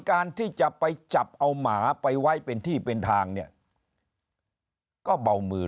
การที่จะไปจับเอาหมาไปไว้เป็นที่เป็นทางเนี่ยก็เบามือ